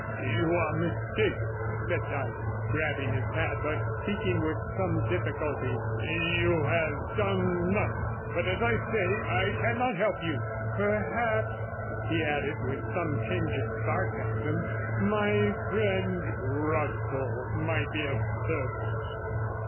'You are mistaken,' said Dyson, grabbing his hat, but speaking with some difficulty; 'you have done nothing. But, as I say, I cannot help you. Perhaps,' he added, with some tinge of sarcasm, 'my friend Russell might be of service.'